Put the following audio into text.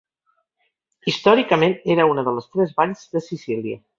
Històricament, era una de les tres valls de Sicília.